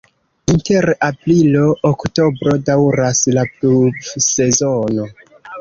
Inter aprilo-oktobro daŭras la pluvsezono.